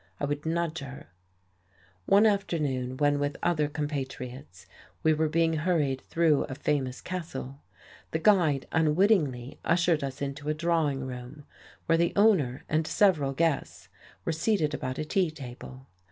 I would nudge her. One afternoon when, with other compatriots, we were being hurried through a famous castle, the guide unwittingly ushered us into a drawing room where the owner and several guests were seated about a tea table.